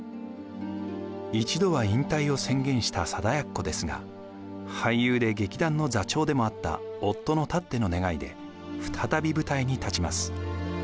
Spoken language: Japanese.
一度は引退を宣言した貞奴ですが俳優で劇団の座長でもあった夫のたっての願いで再び舞台に立ちます。